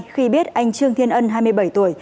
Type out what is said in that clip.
khi biết anh trương thiên ân hai mươi bảy tuổi